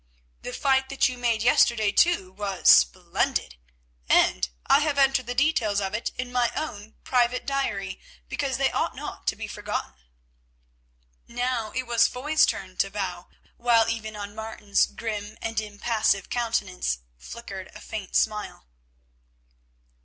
"The fight that you made yesterday, too, was splendid, and I have entered the details of it in my own private diary, because they ought not to be forgotten." Now it was Foy's turn to bow, while even on Martin's grim and impassive countenance flickered a faint smile.